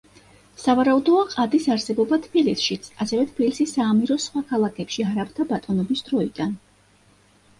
სავარაუდოა ყადის არსებობა თბილისშიც, ასევე თბილისის საამიროს სხვა ქალაქებში არაბთა ბატონობის დროიდან.